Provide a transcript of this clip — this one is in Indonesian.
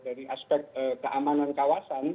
dari aspek keamanan kawasan